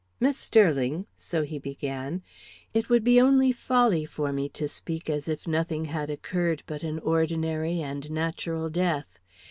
"Miss Sterling," so he began, "it would be only folly for me to speak as if nothing had occurred but an ordinary and natural death.